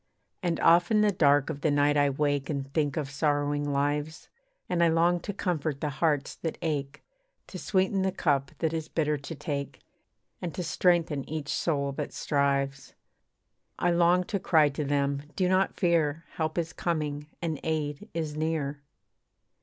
And oft in the dark of the night I wake And think of sorrowing lives, And I long to comfort the hearts that ache, To sweeten the cup that is bitter to take, And to strengthen each soul that strives. I long to cry to them 'Do not fear, Help is coming and aid is near.'